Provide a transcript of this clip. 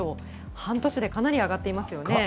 半年でかなり上がっていますよね。